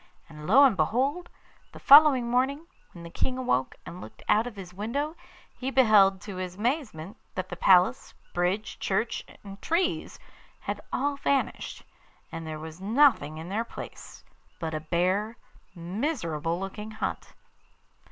And lo and behold! the following morning, when the King awoke and looked out of his window he beheld to his amazement that the palace, bridge, church, and trees had all vanished, and there was nothing in their place but a bare, miserable looking hut.